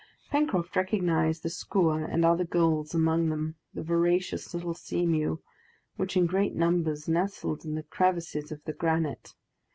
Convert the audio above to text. Pencroft recognized the skua and other gulls among them, the voracious little sea mew, which in great numbers nestled in the crevices of the granite.